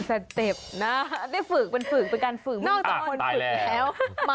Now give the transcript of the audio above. ใช่มีใจหนึ่งสองสามสิบ